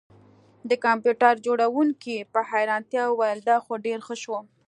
د کمپیوټر جوړونکي په حیرانتیا وویل دا خو ډیر ښه شو